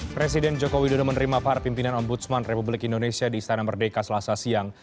presiden jokowi sudah menerima pahar pimpinan ombudsman republik indonesia di istana merdeka selasa siang